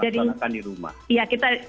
kita laksanakan di rumah